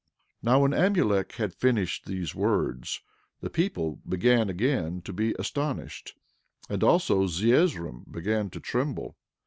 11:46 Now, when Amulek had finished these words the people began again to be astonished, and also Zeezrom began to tremble.